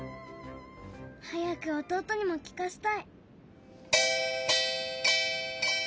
早く弟にも聞かせたい。